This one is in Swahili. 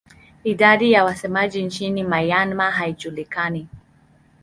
Idadi ya wasemaji nchini Myanmar haijulikani.